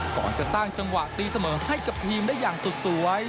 ก่อนจะสร้างจังหวะตีเสมอให้กับทีมได้อย่างสุดสวย